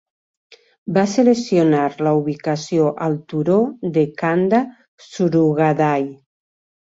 Va seleccionar la ubicació al turó de Kanda Surugadai.